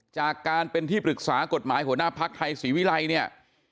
จากการเป็นที่ปรึกษากฎหมายหัวหน้าภักดิ์ไทยศรีวิรัยเนี่ย